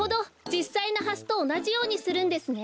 じっさいのハスとおなじようにするんですね。